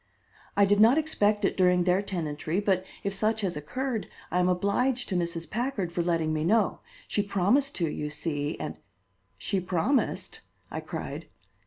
"I did not expect it during their tenantry, but if such has occurred, I am obliged to Mrs. Packard for letting me know. She promised to, you see, and " "She promised!" I cried.